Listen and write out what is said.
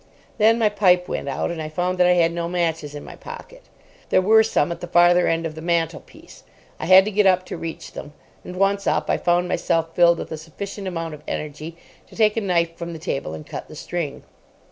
Then my pipe went out, and I found that I had no matches in my pocket. There were some at the farther end of the mantelpiece. I had to get up to reach them, and, once up, I found myself filled with a sufficient amount of energy to take a knife from the table and cut the string.